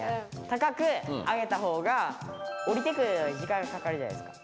高く上げたほうが下りてくるのに時間かかるじゃないですか。